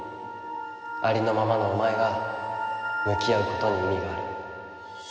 ありのままのお前が向き合うことに意味がある。